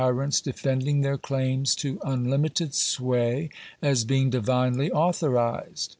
rants defending their claims to unlimited sway as being Divinely authorized.